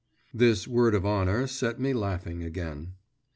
…' This 'word of honour' set me laughing again.